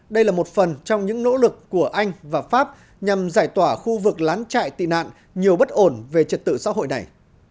đây là một phần trong những nỗ lực của anh và pháp nhằm giải tỏa khu vực lán trại tị nạn nhiều bất ổn về trật tự xã hội này